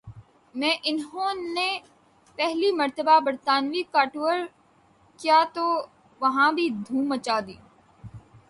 میں انہو نہ پہلی مرتبہ برطانوی کا ٹور کیا تو وہاں بھی دھوم مچ دی